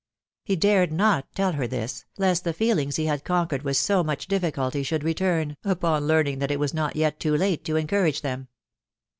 He dared not tell her this, lest the feelings he had conquered with so much difficulty should return, upon learning that it was not yet too late to encourage them.